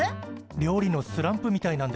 料理のスランプみたいなんです。